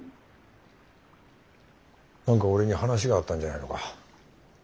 何か俺に話があったんじゃないのか。